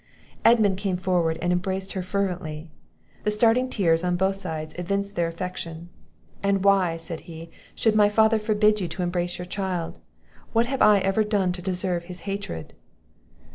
Edmund came forward and embraced her fervently; the starting tears, on both sides, evinced their affection. "And why," said he, "should my father forbid you to embrace your child? what have I ever done to deserve his hatred?"